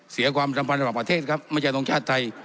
เสียความสำคัญของประเทศครับไม่ใช่ตรงชาติไทย